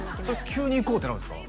急に行こうってなるんですか？